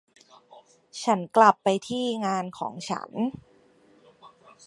ฉันกลับไปที่งานของฉัน